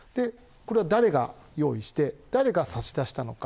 誰がこれを用意して誰が差し出したのか。